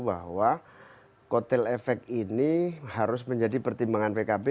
bahwa kotel efek ini harus menjadi pertimbangan pkb